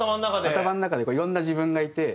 頭の中でいろんな自分がいて。